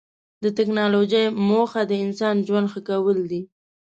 د ټکنالوجۍ موخه د انسان ژوند ښه کول دي.